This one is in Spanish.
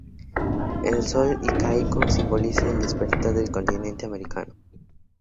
El sol incaico simboliza el despertar del continente americano.